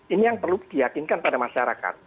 ini yang perlu diyakinkan pada masyarakat